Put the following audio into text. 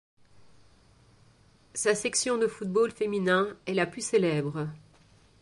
Sa section de football féminin est la plus célèbre.